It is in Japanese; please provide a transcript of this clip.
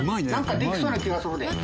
なんかできそうな気がするで。